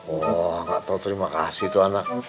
wah gak tau terima kasih tuh anak